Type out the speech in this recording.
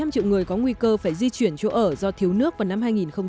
bảy trăm linh triệu người có nguy cơ phải di chuyển chỗ ở do thiếu nước vào năm hai nghìn ba mươi